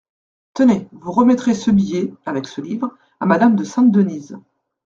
Tenez, vous remettrez ce billet, avec ce livre, à madame de Sainte-Denize…